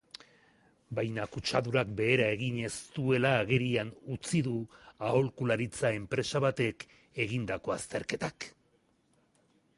Baina kutsadurak behera egin ez duela agerian utzi du aholkularitza-enpresa batek egindako azterketak.